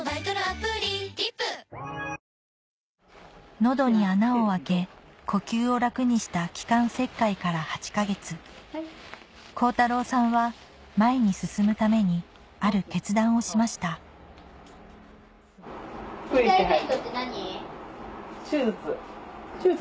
喉に穴を開け呼吸を楽にした気管切開から８か月恒太朗さんは前に進むためにある決断をしました手術９日。